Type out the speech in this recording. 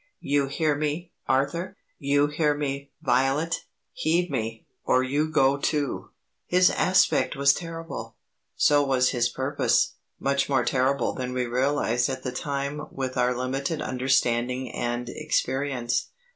"You hear me, Arthur; you hear me, Violet. Heed me, or you go too." His aspect was terrible, so was his purpose; much more terrible than we realized at the time with our limited understanding and experience.